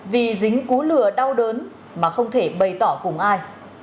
vì dính cú lừa đau đớn mà không thể bày tỏ cùng ai